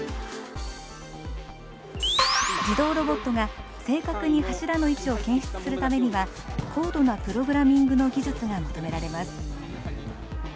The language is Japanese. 自動ロボットが正確に柱の位置を検出するためには高度なプログラミングの技術が求められます。